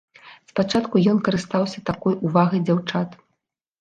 Спачатку ён карыстаўся такой увагай дзяўчат.